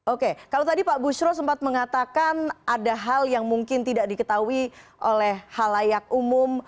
oke kalau tadi pak bushro sempat mengatakan ada hal yang mungkin tidak diketahui oleh hal layak umum